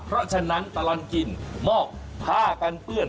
เพราะฉะนั้นตลอดกินมอบผ้ากันเปื้อน